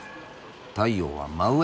太陽は真上。